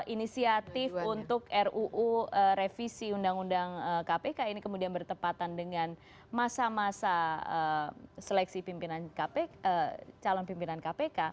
inisiatif untuk ruu revisi undang undang kpk ini kemudian bertepatan dengan masa masa seleksi pimpinan calon pimpinan kpk